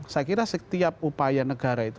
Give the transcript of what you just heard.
saya kira setiap upaya negara itu